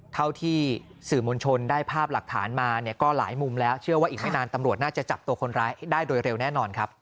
ที่สื่อมวลชนได้ภาพหลักฐานมาเนี่ยก็หลายมุมแล้วเชื่อว่าอีกไม่นานตำรวจน่าจะจับตัวคนร้ายได้โดยเร็วแน่นอนครับ